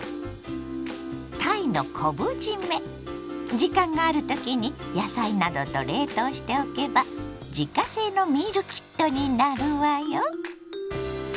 時間がある時に野菜などと冷凍しておけば自家製のミールキットになるわよ。